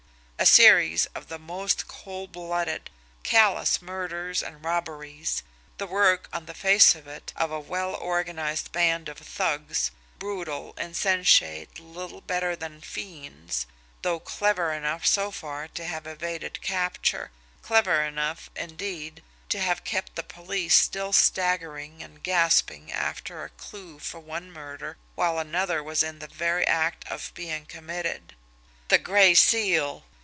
A series of the most cold blooded, callous murders and robberies, the work, on the face of it, of a well organized band of thugs, brutal, insensate, little better than fiends, though clever enough so far to have evaded capture, clever enough, indeed, to have kept the police still staggering and gasping after a clew for one murder while another was in the very act of being committed! The Gray Seal!